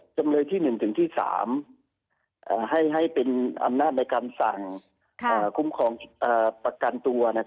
จำเลยที่๑ถึงที่๓ให้เป็นอำนาจในการสั่งคุ้มครองประกันตัว